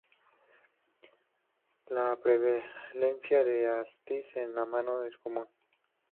La prevalencia de artritis en la mano es común.